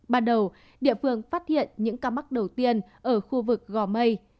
ban đầu địa phương phát hiện những ca mắc đầu tiên ở khu vực gò mây